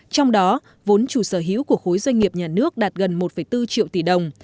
trong đó vốn chủ sở hữu của khối doanh nghiệp nhà nước đạt gần một bốn triệu tỷ đồng